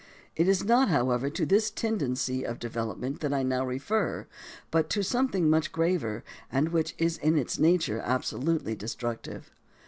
It is not, however, to this tendency of development that I now refer, but to something much graver and which is in its nature absolutely destructive.